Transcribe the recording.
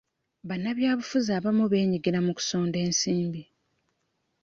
Bannabyabufuzi abamu beenyigira mu kusonda ensimbi.